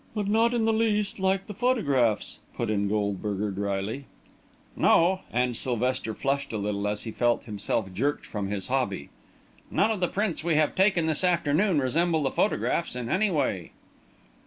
"But not in the least like the photographs," put in Goldberger, drily. "No," and Sylvester flushed a little as he felt himself jerked from his hobby. "None of the prints we have taken this afternoon resemble the photographs in any way."